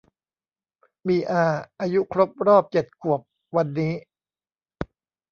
มีอาอายุครบรอบเจ็ดขวบวันนี้